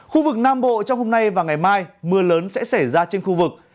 khu vực nam bộ trong hôm nay và ngày mai mưa lớn sẽ xảy ra trên khu vực